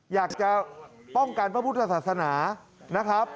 อยากจะป้องกันพระพุทธศาสนา